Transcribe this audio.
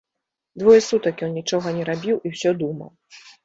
Двое сутак ён нічога не рабіў і ўсё думаў.